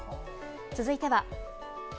続いては。